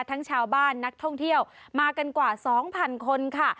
ทั้งชาวบ้านนักท่องเที่ยวมากันกว่า๒๐๐๐คนค่ะ